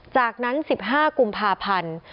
จากนั้น๑๕กุมภาพันธ์